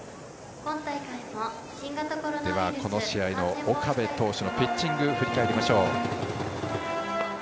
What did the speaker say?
この試合の岡部投手のピッチングを振り返ります。